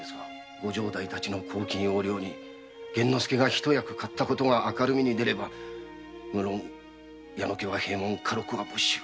ご城代の公金横領に玄之介が一役買ったことが明るみにでればむろん矢野家は閉門家祿は没収。